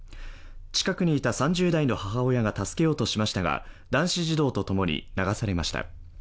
近くにいた３０代の母親が助けようとしましたが男子児童と共に流されました。